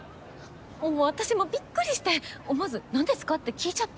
あっもう私もびっくりして思わず何ですか？って聞いちゃって。